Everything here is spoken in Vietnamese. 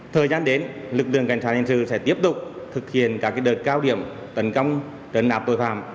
thời gian đến lực lượng cảnh sát hình sự sẽ tiếp tục thực hiện các đợt cao điểm tấn công trấn áp tội phạm